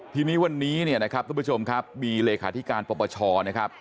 ทีนี้วันนี้เนี่ยนะครับทุกผู้ชมครับมีเลขาธิการปปชนะครับ